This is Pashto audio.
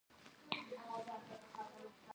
لمسی له حق سره ولاړ وي.